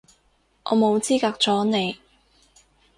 我冇資格阻你